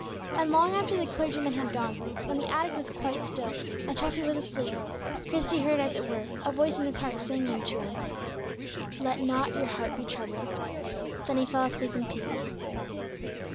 And long after the clergyman had gone, when the attic was quite still and Treffy was asleep, Christie heard, as it were, a voice in his heart, saying to him, "Let not your heart be troubled." Then he fell asleep in peace.